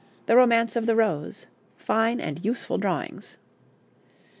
The Romance of the Rose. Fine and useful drawings.